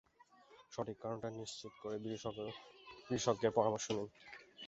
সঠিক কারণটি চিহ্নিত করে বিশেষজ্ঞের পরামর্শ নিন।